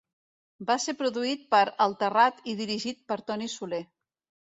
Va ser produït per El Terrat i dirigit per Toni Soler.